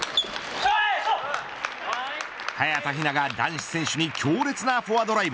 早田ひなが男子選手に強烈なフォアドライブ。